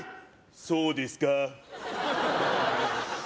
そうですかー